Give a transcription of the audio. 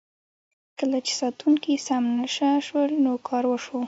کله چې ساتونکي سم نشه شول نو کار وشو.